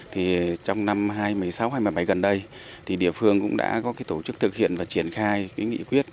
thì trong năm hai nghìn một mươi sáu hai nghìn một mươi bảy gần đây thì địa phương cũng đã có cái tổ chức thực hiện và triển khai cái nghị quyết